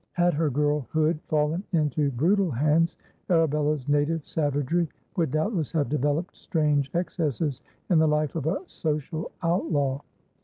Had her girlhood fallen into brutal hands, Arabella's native savagery would doubtless have developed strange excesses in the life of a social outlaw.